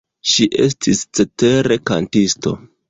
Ŝi estis cetere kantisto.